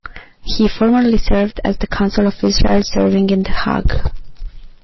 He formerly served as the consul of Israel serving in The Hague.